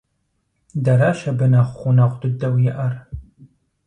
Дэращ абы нэхъ гъунэгъу дыдэу иӀэр.